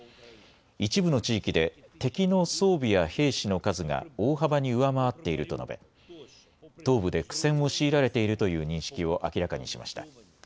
一部の地域で敵の装備や兵士の数が大幅に上回っていると述べ東部で苦戦を強いられているという認識を明らかにしました。